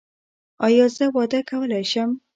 ایا زه واده کولی شم؟